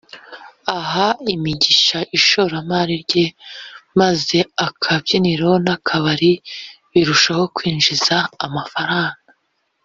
iha imigisha ishoramari rye maze akabyiniro ke n’akabari birushaho kwinjiza amafaranga